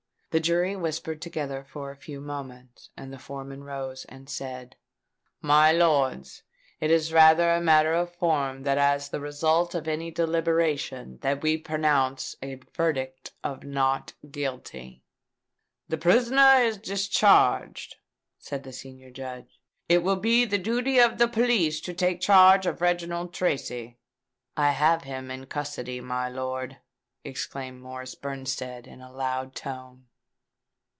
The jury whispered together for a few moments; and the foreman rose and said, "My lords, it is rather as a matter of form than as the result of any deliberation, that we pronounce a verdict of Not Guilty." "The prisoner is discharged," said the senior judge. "It will be the duty of the police to take charge of Reginald Tracy." "I have him in custody, my lord," exclaimed Morris Benstead in a loud tone.